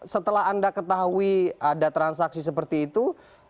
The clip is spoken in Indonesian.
setelah anda ketahui ada transaksi seperti itu